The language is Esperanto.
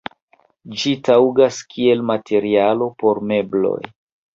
Ĝi taŭgas kiel materialo por mebloj.